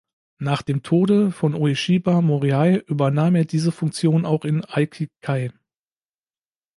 Nach dem Tode von Ueshiba Morihei übernahm er diese Funktion auch im Aikikai.